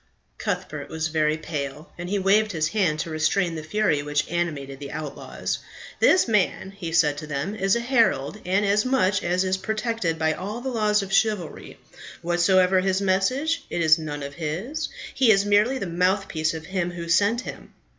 Cuthbert was very pale, and he waved his hand to restrain the fury which animated the outlaws. "This man," he said to them, "is a herald, and, as such, is protected by all the laws of chivalry. Whatsoever his message, it is none of his. He is merely the mouthpiece of him who sent him."